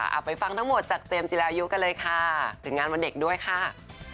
เอาไปฟังทั้งหมดจากเจมส์จิรายุกันเลยค่ะถึงงานวันเด็กด้วยค่ะ